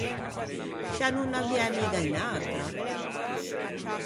Scià no n’aviæ miga unn’atra?